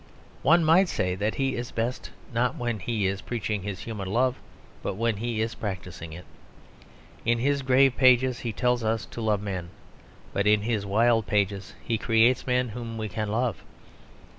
One might say that he is best not when he is preaching his human love, but when he is practising it. In his grave pages he tells us to love men; but in his wild pages he creates men whom we can love.